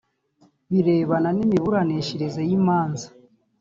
birebana n imiburanishirize y imanza .